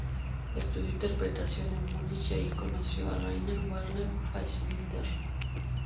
Estudió interpretación en Múnich, y allí conoció a Rainer Werner Fassbinder.